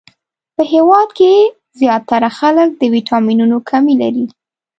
په هیواد کښی ځیاتره خلک د ويټامنونو کمې لری